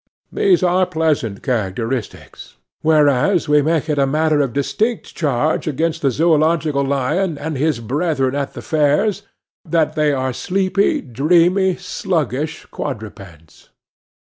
These are pleasant characteristics, whereas we make it matter of distinct charge against the Zoological lion and his brethren at the fairs, that they are sleepy, dreamy, sluggish quadrupeds.